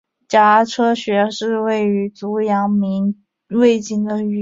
颊车穴是属于足阳明胃经的腧穴。